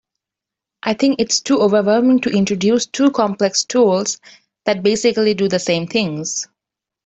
I think it’s too overwhelming to introduce two complex tools that basically do the same things.